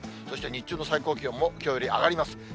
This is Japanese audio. そして日中の最高気温もきょうより上がります。